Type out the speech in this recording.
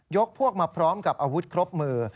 พวกมาพร้อมกับอาวุธครบมือ